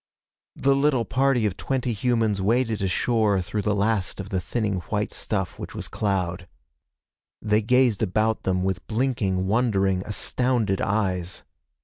The little party of twenty humans waded ashore through the last of the thinning white stuff which was cloud. They gazed about them with blinking, wondering, astounded eyes.